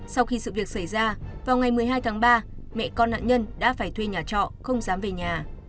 sau khi sự việc xảy ra vào ngày một mươi hai tháng ba mẹ con nạn nhân đã phải thuê nhà trọ không dám về nhà